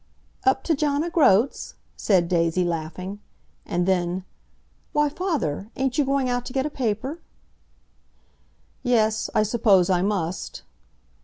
"Up to John o' Groat's?" said Daisy, laughing. And then, "Why, father, ain't you going out to get a paper?" "Yes, I suppose I must."